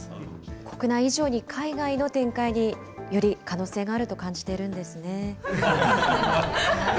国内以上に、海外の展開により可能性があると感じているんですね。